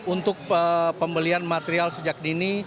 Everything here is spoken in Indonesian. untuk pembelian material sejak dini